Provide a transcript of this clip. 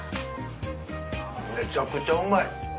めちゃくちゃうまい。